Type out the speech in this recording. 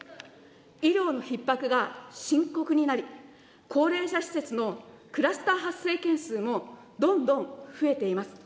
医療のひっ迫が深刻になり、高齢者施設のクラスター発生件数もどんどん増えています。